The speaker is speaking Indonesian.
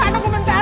aduh aku minta